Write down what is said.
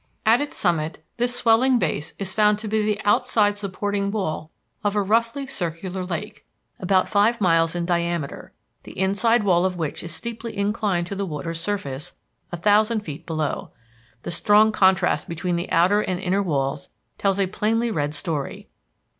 At its summit, this swelling base is found to be the outside supporting wall of a roughly circular lake, about five miles in diameter, the inside wall of which is steeply inclined to the water's surface a thousand feet below. The strong contrast between the outer and inner walls tells a plainly read story.